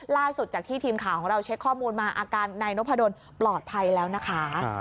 ล่าสุดจากที่ทีมข่าวของเราเช็คข้อมูลมาอาการนายนพดลปลอดภัยแล้วนะคะ